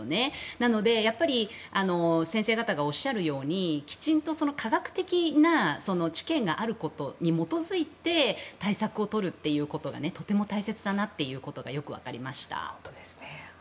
なので先生方がおっしゃるようにきちんと科学的な知見があることに基づいて対策を取るということがとても大切だなということがよくわかりました。